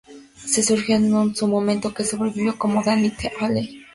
Se sugirió en su momento que sobrevivió, como "Danny the Alley".